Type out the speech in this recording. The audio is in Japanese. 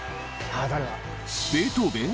ベートーベン？